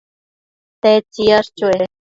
¿tedtsi yash chue